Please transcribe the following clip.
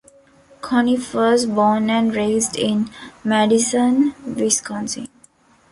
Conniff was born and raised in Madison, Wisconsin.